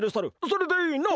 それでいいな？